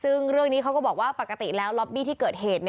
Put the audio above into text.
ซึ่งเรื่องนี้เขาก็บอกว่าปกติแล้วล็อบบี้ที่เกิดเหตุ